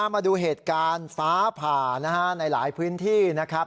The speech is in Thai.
มาดูเหตุการณ์ฟ้าผ่าในหลายพื้นที่นะครับ